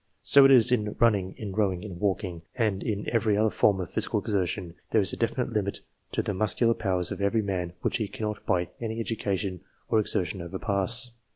So it is in running, in rowing, in walking, and in every other form of physical exertion. There is a definite limit to the muscular powers of every man, which he cannot by any education or exertion overpass.